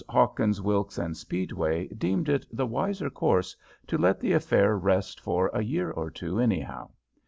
Hawkins, Wilkes & Speedway deemed it the wiser course to let the affair rest for a year or two anyhow.